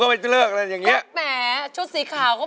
กว่าจะจบรายการเนี่ย๔ทุ่มมาก